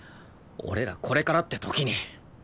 俺らこれからって時に。